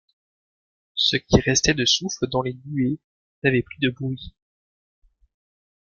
Ce qui restait de souffle dans les nuées n’avait plus de bruit.